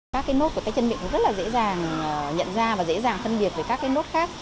các cái nốt của tay chân miệng cũng rất là dễ dàng nhận ra và dễ dàng phân biệt với các cái nốt khác